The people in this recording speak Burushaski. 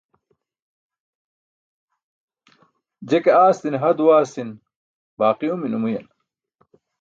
Je ke aasti̇ne ha duwaasi̇n baaqi umi numuyan.